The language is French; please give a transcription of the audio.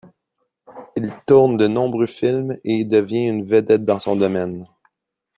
Il tourne de nombreux films et devient une vedette dans son domaine.